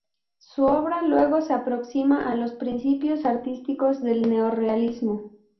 Su obra luego se aproxima a los principios artísticos del neorrealismo.